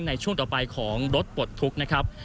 ในช่วงต่อไปของรถปลดทุกข์นะครับ